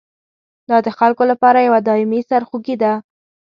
دا د خلکو لپاره یوه دایمي سرخوږي ده.